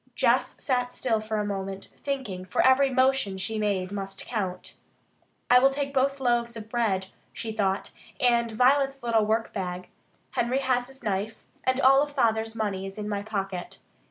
Jess sat still for a moment, thinking, for every motion she made must count. "I will take both loaves of bread," she thought, "and Violet's little workbag. Henry has his knife. And all Father's money is in my pocket."